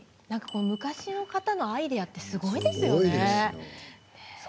昔の方のアイデアってすごいですよね。